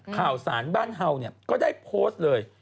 ข่าวสารบ้านเห่าเนี่ยก็ได้โพสต์เลย